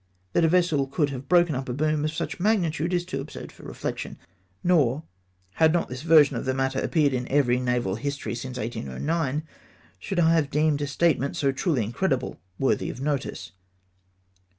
That a vessel could have broken up a boom of such magnitude is too absm^d for reflection. Nor, had not this version of the matter appeared in every naval history since 1809, should I have deemed a statement so truly incredible worthy of notice.